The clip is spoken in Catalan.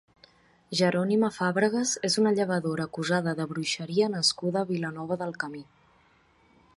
Jerònima Fàbregues és una llevadora acusada de bruixeria nascuda a Vilanova del Camí.